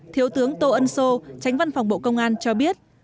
thiếu tướng tô ân sô tránh văn phòng bộ công an cho biết